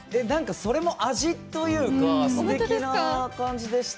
それも味というかすてきな感じでした。